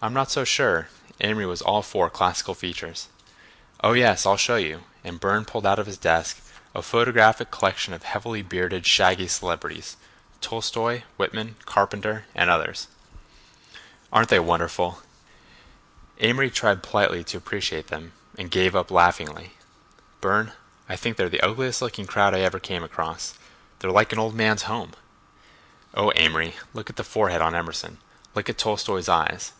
"I'm not so sure." Amory was all for classical features. "Oh, yes—I'll show you," and Burne pulled out of his desk a photographic collection of heavily bearded, shaggy celebrities—Tolstoi, Whitman, Carpenter, and others. "Aren't they wonderful?" Amory tried politely to appreciate them, and gave up laughingly. "Burne, I think they're the ugliest looking crowd I ever came across. They look like an old man's home." "Oh, Amory, look at that forehead on Emerson; look at Tolstoi's eyes."